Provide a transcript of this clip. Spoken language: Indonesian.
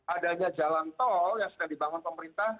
adanya jalan tol yang sedang dibangun pemerintah